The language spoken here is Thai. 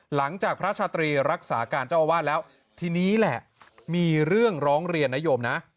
หลังจากพระชาตรีรักษาการเจ้าอาวาสแล้วทีนี้แหละมีเรื่องร้องเรียนนโยมนะ